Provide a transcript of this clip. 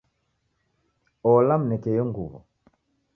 Ola, mneke iyo nguwo.